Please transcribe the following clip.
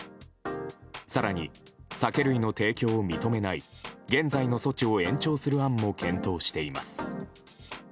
更に、酒類の提供を認めない現在の措置を延長する案も検討しています。